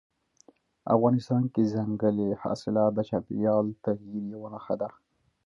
افغانستان کې ځنګلي حاصلات د چاپېریال د تغیر یوه نښه ده.